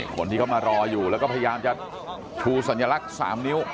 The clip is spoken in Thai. คนที่เขามารออยู่แล้วก็พยายามจะชูสัญลักษณ์๓นิ้ว